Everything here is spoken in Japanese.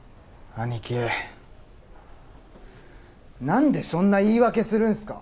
なんでそんな言い訳するんですか。